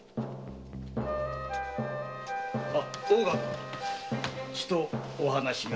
大岡殿ちとお話が。